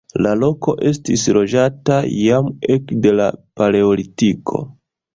La loko estis loĝata jam ekde la paleolitiko.